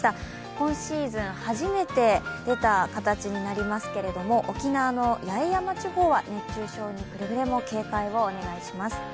今シーズン初めて出た形になりますけれども、沖縄の八重山地方は熱中症にくれぐれも警戒をお願いします。